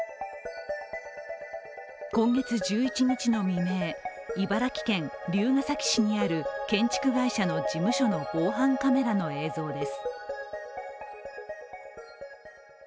今月１１日の未明、茨城県龍ケ崎市にある建築会社の事務所の防犯カメラの映像です。